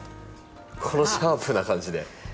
このシャープな感じで。